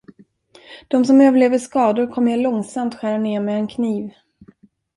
De som överlever skador, kommer jag långsamt skära ned med en kniv.